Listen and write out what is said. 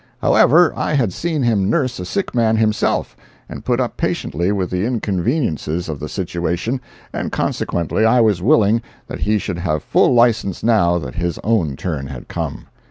However, I had seen him nurse a sick man himself and put up patiently with the inconveniences of the situation, and consequently I was willing that he should have full license now that his own turn had come.